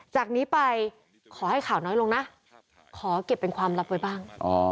จากนี้ไปขอให้ข่าวน้อยลงนะขอเก็บเป็นความลับไว้บ้าง